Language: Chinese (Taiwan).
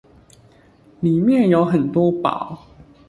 裡面有很多寶